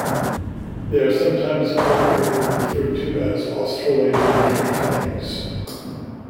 They are sometimes collectively referred to as Australasian treefrogs.